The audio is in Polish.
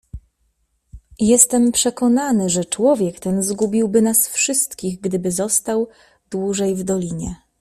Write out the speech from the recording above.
"Jestem przekonany, że człowiek ten zgubiłby nas wszystkich, gdyby został dłużej w dolinie."